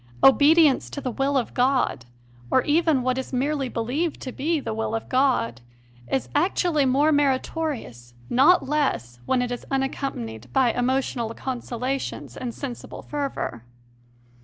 Obedience to the will of God or even what is merely believed to be the will of God is actually more meritorious, not less, when it is un accompanied by emotional consolations and sensible fervour.